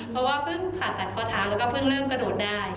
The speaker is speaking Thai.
เพราะว่าเพิ่งผ่าตัดข้อเท้าแล้วก็เพิ่งเริ่มกระโดดได้